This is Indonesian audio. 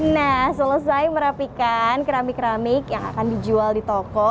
nah selesai merapikan keramik keramik yang akan dijual di toko